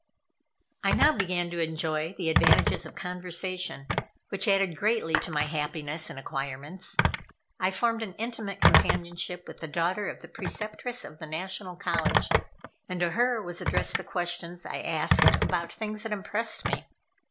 I now began to enjoy the advantages of conversation, which added greatly to my happiness and acquirements. I formed an intimate companionship with the daughter of the Preceptress of the National College, and to her was addressed the questions I asked about things that impressed me.